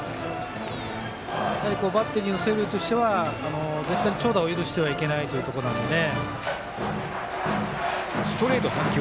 やはりバッテリーとしては絶対に長打を許してはいけないというところなんでね。